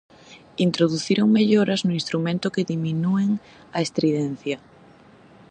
Introduciron melloras no instrumento que diminúen a estridencia.